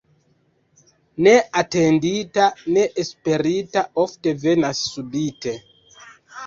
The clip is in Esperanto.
Ne atendita, ne esperita ofte venas subite.